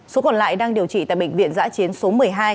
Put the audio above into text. số còn lại đang điều trị tại bệnh viện giã chiến số một mươi hai